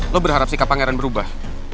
lo berharap sikap pangeran berubah